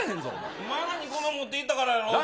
お前が２個も持っていったからやろ。